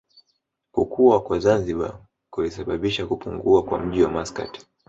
Kukua kwa Zanzibar kulisababisha kupungua kwa mji wa Maskat